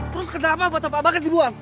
terus kenapa foto pak bagas dibuang